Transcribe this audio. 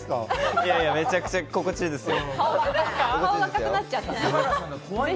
いやいや、めちゃくちゃ心地いいですよ。